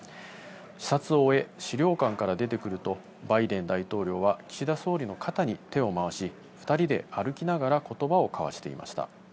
視察を終え、資料館から出てくると、バイデン大統領は岸田総理の方に手を回し、２人で歩きながらことばを交わしていました。